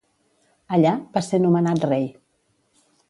Allà, va ser nomenat rei.